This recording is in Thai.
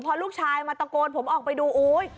พอลูกชายมาตะโกนผมออกไปดูโอ๊ย